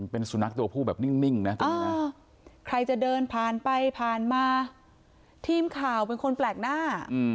เป็นสุนัขตัวผู้แบบนิ่งนะตอนนี้นะใครจะเดินผ่านไปผ่านมาทีมข่าวเป็นคนแปลกหน้า